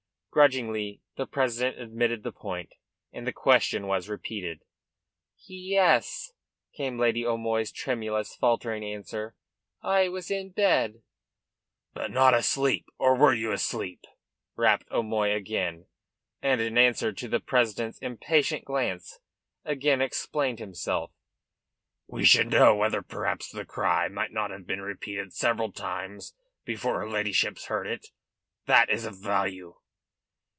Grudgingly the president admitted the point, and the question was repeated. "Ye es," came Lady O'Moy's tremulous, faltering answer, "I was in bed." "But not asleep or were you asleep?" rapped O'Moy again, and in answer to the president's impatient glance again explained himself: "We should know whether perhaps the cry might not have been repeated several times before her ladyship heard it. That is of value."